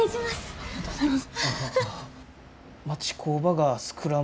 ありがとうございます！